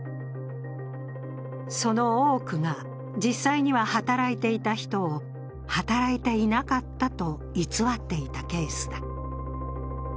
その多くが、実際には働いていた人を働いていなかったと偽っていたケースだ。